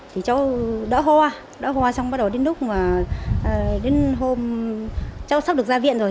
thì cháu đỡ hoa đỡ hoa xong bắt đầu đến lúc mà đến hôm cháu sắp được ra viện rồi